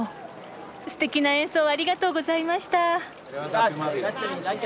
すてきな演奏をありがとうございました。